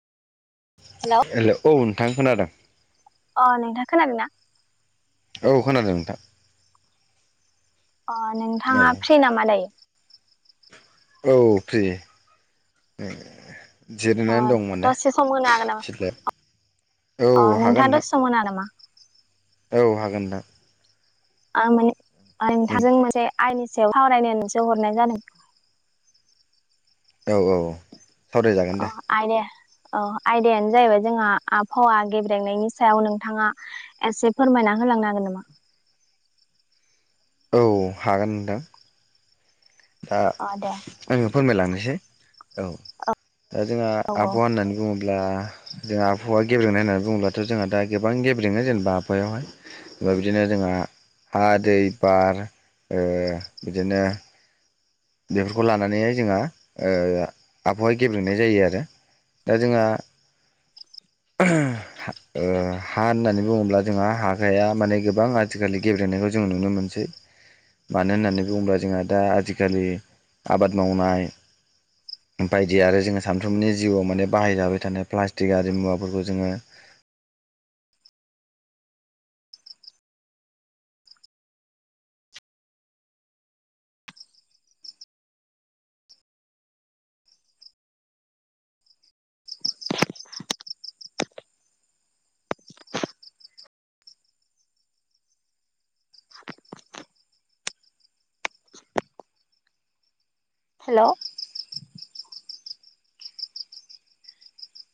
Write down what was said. Hello? Hello औ नोंथां खोनादों। अ नोंथां खोनादोंना? औ खोनादों नोंथां। अ औ नोंथाङा फ्रि नामा दायो? औ फ्रि ओ अ जिरायनानै दं माने दसे सम होनो हागोन नामा सिथ्लायाव। औ अ हागोन नोंथाङा दसे सम होननो हागोन नामा? औ हागोन नोंथां। ओ माने नोंथांजों नोंथां मोनसे आयदानि सायाव सावरायनो होननासो हरनाय जादों। औ औ औ अ सावरायजागोन दे। आयदाया अ आयदायानो जाहैबाय जोंहा आबहावा गेब्रेंनायनि सायाव नोंथाङा एसे फोरमायना होलांनो हागोन नामा? औ हागोन नोंथां। ओ अ दे। आङो फोरमायलांनोसै। औ ओ जोंहा औ औ आबहावा होननानै बुङोब्ला जोंहा आबहावा गेब्रेंनाय होननानै बुङोब्लाथ' जोंहा दा गोबां गेब्रेङो जेनेबा आबहावायावहाय ओफ्राय बिदिनो जोंहा हा दै बार ओ बिदिनो बेफोरखौ लानानैहाय जोंहा ओ आबहावा गेब्रेंनाय जायो आरो। दा जोंहा ओ हा होननानै बुङोब्ला जोंहा हाया माने गोबां आथिखालनि गेब्रेंनायखौ जों नुनो मोनसै। मानो होननानै बुङोब्ला जोंहा दा आथिखालनि आबाद मावनाय बायदि आरो जोङो सानफ्रोमबोनि जिउआव माने बाहायजाबाय थानाय प्लास्टिक आरि मुवाफोरखौ जोङो हेलव?